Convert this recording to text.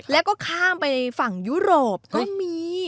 แล้วก็ข้ามไปในฝั่งยุโรปก็มี